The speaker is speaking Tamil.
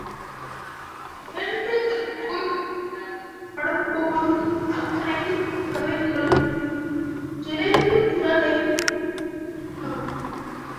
என்று தாகூர் பாடும்போது அத்தனை கவிஞர்களும் சேர்ந்து குரல் எழுப்புவதாகவே தெரிகிறது.